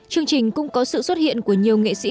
chương trình cũng có sự xuất hiện của nhiều nghệ sĩ